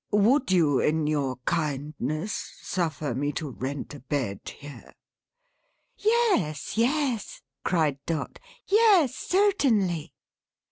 Would you, in your kindness, suffer me to rent a bed here?" "Yes, yes," cried Dot. "Yes! Certainly!"